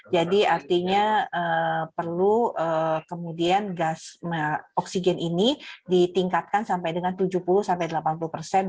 jadi artinya perlu kemudian gas oksigen ini ditingkatkan sampai dengan tujuh puluh delapan puluh persen